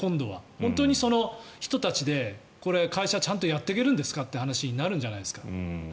本当にその人たちで会社をちゃんとやっていけるんですかという話になるんじゃないですか？